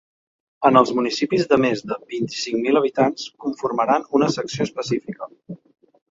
En els municipis de més de vint-i-cinc mil habitants conformaran una secció específica.